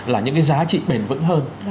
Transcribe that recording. là những cái giá trị bền vững hơn